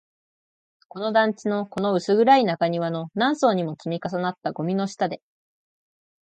この団地の、この薄暗い中庭の、何層にも積み重なったゴミの下で